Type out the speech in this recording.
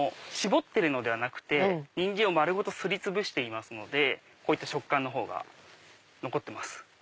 搾ってるのではなくてニンジンを丸ごとすりつぶしていますのでこういった食感のほうが残ってます。